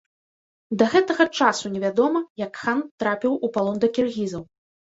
Да гэтага часу не вядома, як хан трапіў у палон да кіргізаў.